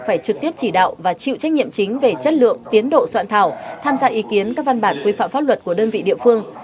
phải trực tiếp chỉ đạo và chịu trách nhiệm chính về chất lượng tiến độ soạn thảo tham gia ý kiến các văn bản quy phạm pháp luật của đơn vị địa phương